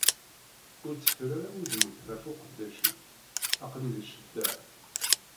Ur tteffer ara udem-ik ɣef uqeddac-ik, aql-i di ccedda.